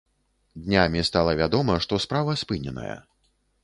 Днямі стала вядома, што справа спыненая.